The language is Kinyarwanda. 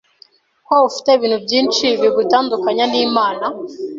ko ufite ibintu byinshi bigutandukanya n’Imana.